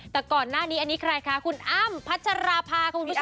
แต่ก่อนหน้านี้อันนี้ใครคะคุณอ้ำพัชราภาคุณผู้ชม